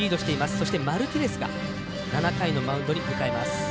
そしてマルティネスが７回のマウンドに向かいます。